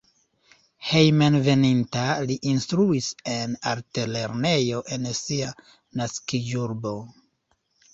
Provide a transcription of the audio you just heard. Hejmenveninta li instruis en altlernejo en sia naskiĝurbo.